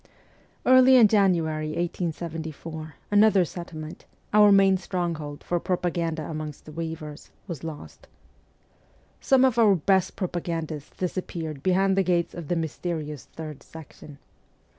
Early in January 1874, another settlement, our main stronghold for propaganda amongst the weavers, was lost. Some of our best propagandists disappeared behind the gates of the mysterious Third Section.